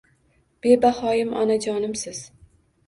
Babehoyim onajonimsiz